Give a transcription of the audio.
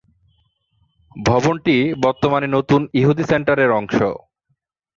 ভবনটি বর্তমানে নতুন ইহুদি সেন্টারের অংশ।